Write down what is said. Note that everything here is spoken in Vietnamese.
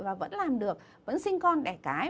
và vẫn làm được vẫn sinh con đẻ cái